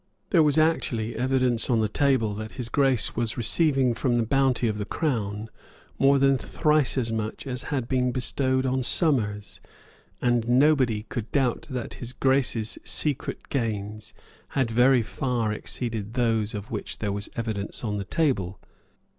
There was actually on the table evidence that His Grace was receiving from the bounty of the Crown more than thrice as much as had been bestowed on Somers; and nobody could doubt that His Grace's secret gains had very far exceeded those of which there was evidence on the table.